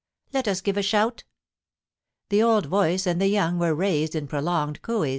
Let us give a shout * The old voice and the young were raised in prolonged coo ees.